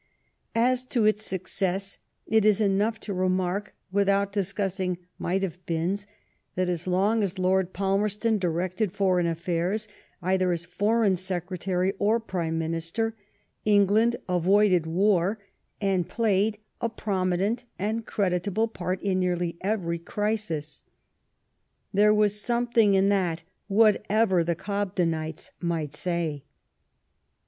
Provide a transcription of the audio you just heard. As to its success, it is enough to re mark, without discussing '* might have beens," that as long as Lord Palmerston directed foreign affairs, either as Foreign Secretary or Prime Minister, England avoided war, and played a prominent and creditable part in nearly every crisis. There was something in that, whatever the Gobdenites might say.